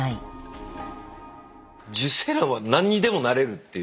受精卵は何にでもなれるという。